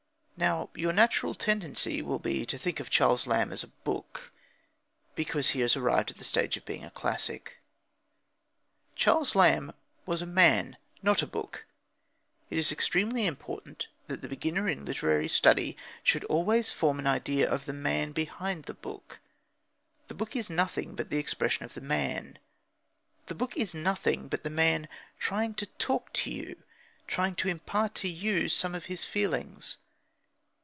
Now, your natural tendency will be to think of Charles Lamb as a book, because he has arrived at the stage of being a classic. Charles Lamb was a man, not a book. It is extremely important that the beginner in literary study should always form an idea of the man behind the book. The book is nothing but the expression of the man. The book is nothing but the man trying to talk to you, trying to impart to you some of his feelings.